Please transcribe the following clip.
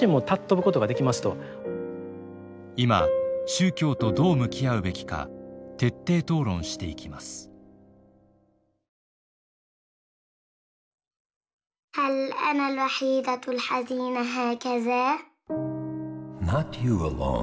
今宗教とどう向き合うべきか徹底討論していきますえ